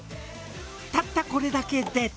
たったこれだけで。